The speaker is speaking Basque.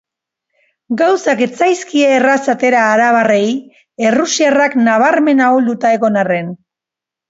Gauzak ez zaizkie erraz atera arabarrei, errusiarrak nabarmen ahulduta egon arren.